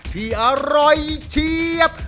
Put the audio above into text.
ที่อร่อยเชียบ